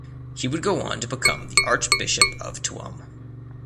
He would go on to become the Archbishop of Tuam.